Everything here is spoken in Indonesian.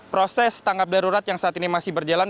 proses tanggap darurat yang saat ini masih berjalan